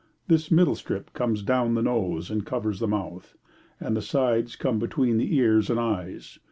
This middle strip comes down the nose and covers the mouth, and the sides come between the ears and eyes.